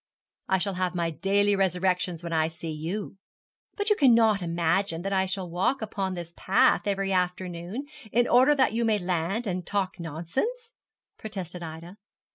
'I shall have my daily resurrection when I see you.' 'But you cannot imagine that I shall walk upon this path every afternoon, in order that you may land and talk nonsense?' protested Ida.